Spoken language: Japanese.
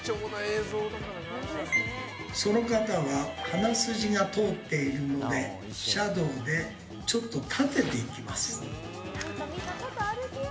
その方は、鼻筋が通っているのでシャドーでちょっと立てていきます。